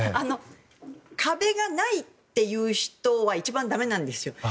壁がないという人は一番だめなんですよ。